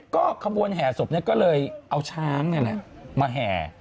ก็ความว่าแห่ศพก็เลยเอาช้างมาแห่